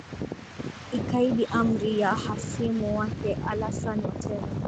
ikaidi amri ya hasimu wake alasan watera